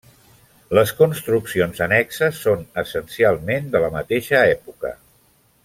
Les construccions annexes són essencialment de la mateixa època.